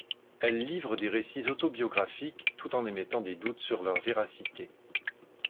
Elle livre des récits autobiographiques tout en émettant des doutes sur leur véracité.